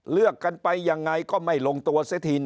เลือกกันไปยังไงก็ไม่ลงตัวเสียที